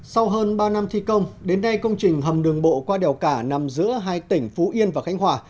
sau hơn ba năm thi công đến nay công trình hầm đường bộ qua đèo cả nằm giữa hai tỉnh phú yên và khánh hòa